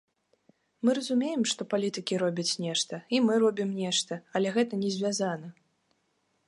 Мы разумеем, што палітыкі робяць нешта і мы робім нешта, але гэта не звязана.